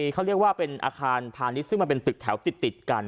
เขาเรียกว่าเป็นอาคารพาณิชย์ซึ่งมันเป็นตึกแถวติดกัน